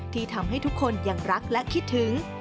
ที่ทำให้ทุกคนยังรักและคิดถึง